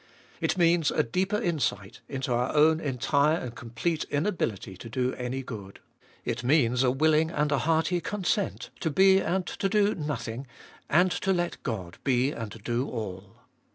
It means a deeper insight into our own entire and complete inability to do any good. It means a willing and a hearty consent to be and to do nothing, and to let God be and do all.